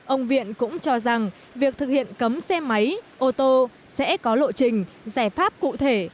ông viện cũng cho rằng việc thực hiện cấm xe máy ô tô sẽ có lộ trình giải pháp cụ thể